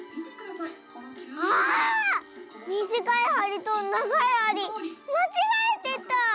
ああっ⁉みじかいはりとながいはりまちがえてた！